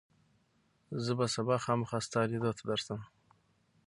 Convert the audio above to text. زه به سبا خامخا ستا لیدو ته درشم.